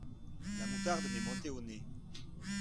La moutarde m’est montée au nez.